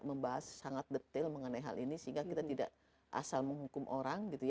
membahas sangat detail mengenai hal ini sehingga kita tidak asal menghukum orang